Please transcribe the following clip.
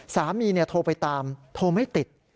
สามีโทรไปตามโทรไม่ติด